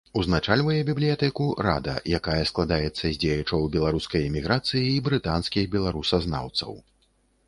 Узначальвае бібліятэку рада, якая складаецца з дзеячаў беларускай эміграцыі і брытанскіх беларусазнаўцаў.